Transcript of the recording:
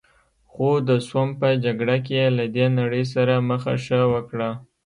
خو د سوم په جګړه کې یې له دې نړۍ سره مخه ښه وکړه.